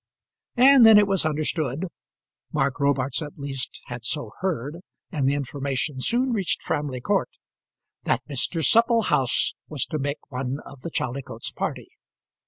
And then it was understood Mark Robarts, at least, had so heard, and the information soon reached Framley Court that Mr. Supplehouse was to make one of the Chaldicotes party.